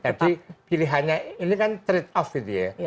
jadi pilihannya ini kan trade off gitu ya